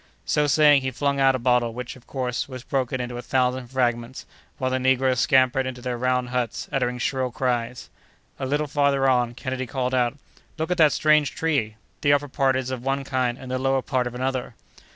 So saying, he flung out a bottle, which, of course, was broken into a thousand fragments, while the negroes scampered into their round huts, uttering shrill cries. A little farther on, Kennedy called out: "Look at that strange tree! The upper part is of one kind and the lower part of another!"